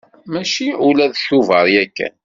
Mačči ula d Tubeṛ yakan.